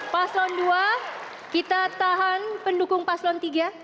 paslon dua kita tahan pendukung paslon tiga